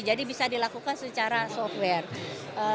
jadi bisa dilakukan secara software